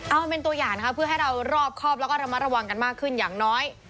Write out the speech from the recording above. เอาเป็นตัวอย่างนะคะเพื่อให้เรารอบครอบแล้วก็ระมัดระวังกันมากขึ้นอย่างน้อย